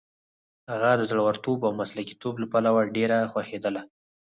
هغه د زړورتوب او مسلکیتوب له پلوه ډېره خوښېدله.